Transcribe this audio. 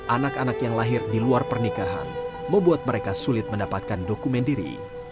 anak anak yang lahir di luar pernikahan membuat mereka sulit mendapatkan dokumen diri